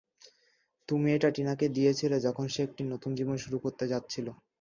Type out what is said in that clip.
তুমি এটা টিনাকে দিয়েছিলে যখন সে একটি নতুন জীবন শুরু করতে যাচ্ছিলো।